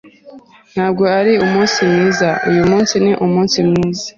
Ntabwo ari umunsi mwiza! Uyu munsi ni umunsi mwiza.